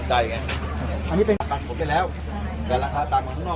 ทำงานเป็นรัฐบาลยังไม่ได้ช่วยอยู่แล้ว